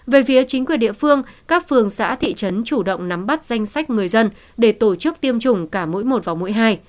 về phía chính quyền địa phương các phường xã thị trấn chủ động nắm bắt danh sách người dân để tổ chức tiêm chủng cả mỗi một và mũi hai